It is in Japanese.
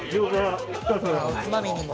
おつまみにも？